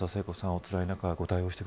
おつらい中